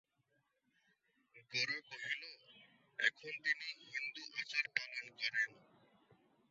গোরা কহিল, এখন তিনি হিন্দু-আচার পালন করেন।